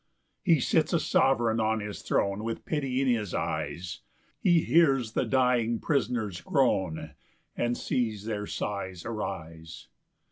4 He sits a sovereign on his throne, With pity in his eyes; He hears the dying prisoners groan, And sees their sighs arise.